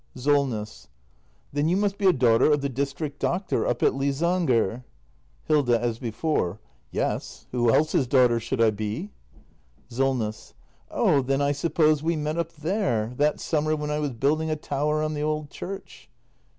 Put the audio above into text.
Solness. Then you must be a daughter of the district doctor up at Lysanger? Hilda. [As before.] Yes, who else's daughter should I be? Solness. Oh, then I suppose we met up there, that summer when I was building a tower on the old church.